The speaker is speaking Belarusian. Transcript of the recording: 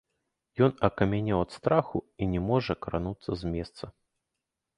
Ён акамянеў ад страху і не можа крануцца з месца.